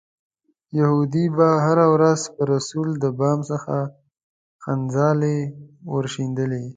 یهودي به هره ورځ پر رسول د بام څخه خځلې ورشیندلې.